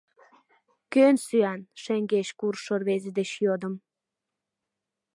Кӧн сӱан? — шеҥгеч куржшо рвезе деч йодым.